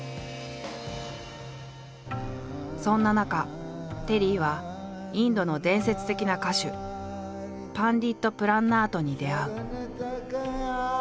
そんな中テリーはインドの伝説的な歌手パンディット・プラン・ナートに出会う。